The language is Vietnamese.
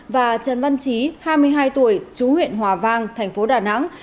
và trần văn trí hai mươi hai tuổi chú huyện hòa vang thành phố đà nẵng